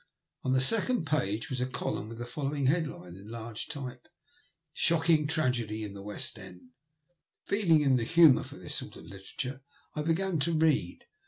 On the second page was a column with the following headline, in large type :—" Shockino Tragedy in the West End." Feeling in the humour for this sort of literature, I began to read.